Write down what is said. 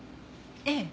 ええ。